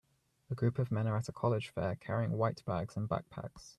A group of men are at a college fair carrying white bags and backpacks.